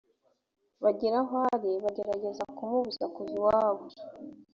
bagera aho ari bagerageza kumubuza kuva iwabo